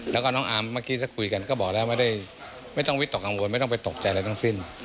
แล้วก็น้องอาร์มเมื่อกี้ถ้าคุยกันก็บอกแล้วไม่ได้ไม่ต้องวิตกกังวลไม่ต้องไปตกใจอะไรทั้งสิ้น